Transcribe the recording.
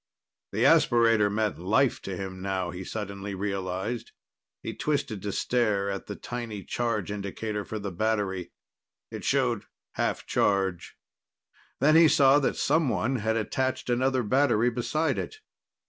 The aspirator meant life to him now, he suddenly realized. He twisted to stare at the tiny charge indicator for the battery. It showed half charge. Then he saw that someone had attached another battery beside it.